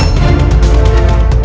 ya jadi apa